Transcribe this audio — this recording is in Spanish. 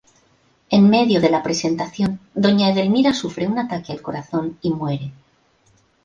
En medio de la presentación, doña Edelmira sufre un ataque al corazón y muere.